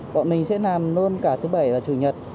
bọn mình sẽ làm luôn cả thứ bảy và chủ nhật